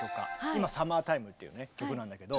今「サマータイム」っていう曲なんだけど。